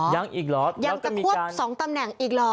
ยังจะควบสองตำแหน่งอีกหรอ